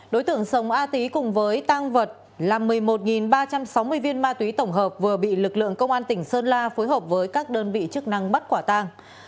đối tượng sống a tý cùng với tang vật là một mươi một ba trăm sáu mươi viên ma túy tổng hợp vừa bị lực lượng công an tỉnh sơn la phối hợp với các đơn vị chức năng bắt quả tang